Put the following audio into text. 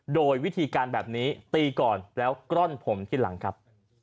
โดยวิธีการแบบนี้ตีก่อนแล้วกล้อนผมที่หลังครับ